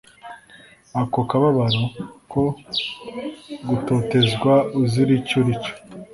ako kababaro ko gutotezwa uzira icyo uricyo